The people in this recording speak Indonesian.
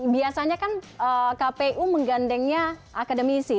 biasanya kan kpu menggandengnya akademisi